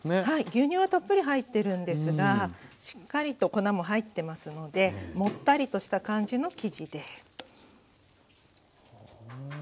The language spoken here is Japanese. はい牛乳はたっぷり入ってるんですがしっかりと粉も入ってますのでもったりとした感じの生地です。